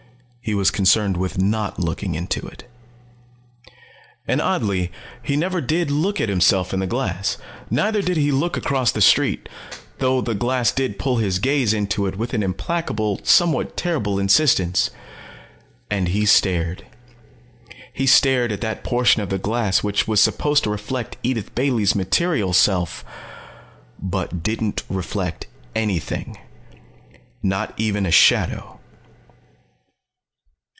He was concerned with not looking into it. And oddly, he never did look at himself in the glass, neither did he look across the street. Though the glass did pull his gaze into it with an implacable somewhat terrible insistence. And he stared. He stared at that portion of the glass which was supposed to reflect Edith Bailey's material self _but didn't reflect anything. Not even a shadow.